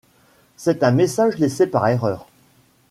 C’est un message laissé par erreur.